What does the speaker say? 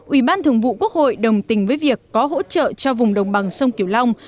ủy ban thường vụ quốc hội đồng tình với việc có hỗ trợ cho vùng đồng bằng sông kiều long